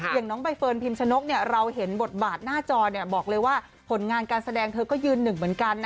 อย่างน้องใบเฟิร์นพิมชนกเราเห็นบทบาทหน้าจอบอกเลยว่าผลงานการแสดงเธอก็ยืนหนึ่งเหมือนกันนะ